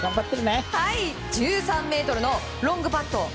１３ｍのロングパット。